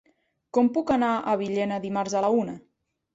Com puc anar a Villena dimarts a la una?